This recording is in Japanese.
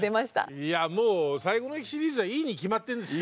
いやもう最後の日シリーズはいいに決まってるんですよ。